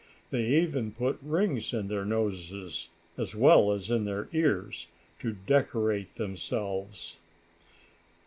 They even put rings in their noses, as well as in their ears, to decorate themselves.